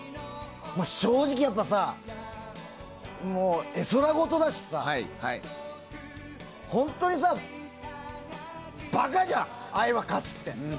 正直やっぱさ、絵空事だしさ本当にさ、バカじゃん「愛は勝つ」って。